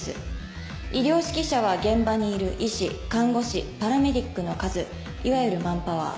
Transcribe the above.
医療指揮者は現場にいる医師看護師パラメディックの数いわゆるマンパワー。